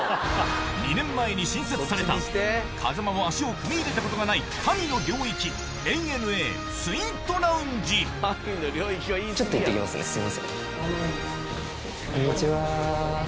２年前に新設された風間も足を踏み入れたことがないちょっと行って来ますねすいません。